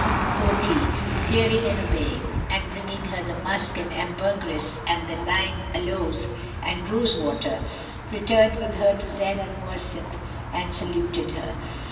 Quoth he, "Hearing and obeying," and bringing her the musk and ambergris and lign aloes and rose water, returned with her to Zayn al Mawasif and saluted her.